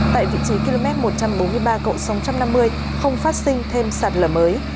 tại vị trí km một trăm bốn mươi ba cộng sáu trăm năm mươi không phát sinh thêm sạt lở mới